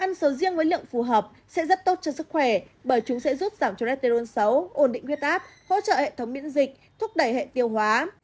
ăn sầu riêng với lượng phù hợp sẽ rất tốt cho sức khỏe bởi chúng sẽ giúp giảm cho redro sáu ổn định huyết áp hỗ trợ hệ thống miễn dịch thúc đẩy hệ tiêu hóa